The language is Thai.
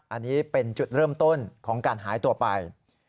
อันนี้เป็นจุดเริ่มต้นของการหายตัวไป